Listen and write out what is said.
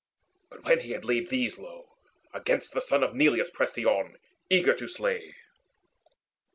But when he had laid these low, Against the son of Neleus pressed he on Eager to slay.